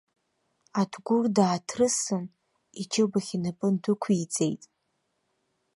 Адгәыр дааҭрысын, иџьыбахь инапы ндәықәиҵеит.